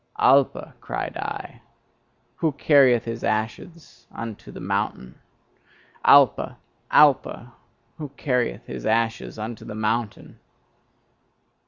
Alpa! cried I, who carrieth his ashes unto the mountain? Alpa! Alpa! who carrieth his ashes unto the mountain?